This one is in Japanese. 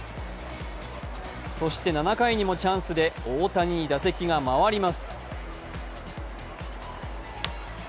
そして７回にもチャンスで大谷に打席が回ります。